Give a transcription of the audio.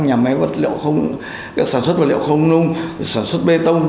nhà máy vật liệu không sản xuất vật liệu không nung sản xuất bê tông